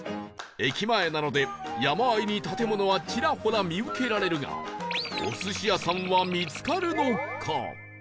駅前なので山あいに建物はちらほら見受けられるがお寿司屋さんは見つかるのか？